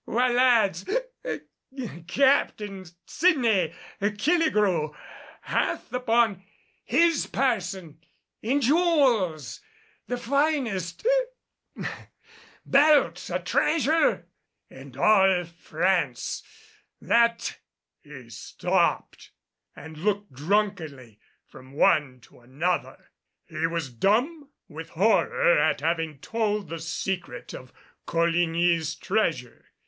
Why, lads, hic Captain Sydney Killigrew hath upon his person in jewels the finest hic belt o' treasure in all France, that " He stopped and looked drunkenly from one to another. He was dumb with horror at having told the secret of Coligny's treasure.